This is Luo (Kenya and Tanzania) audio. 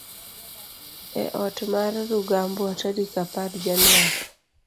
e ot mar Rugambwa tarik apar januar